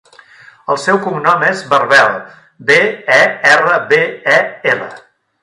El seu cognom és Berbel: be, e, erra, be, e, ela.